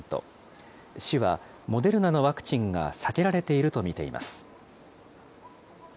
市は、モデルナのワクチンが避けられていると見ています。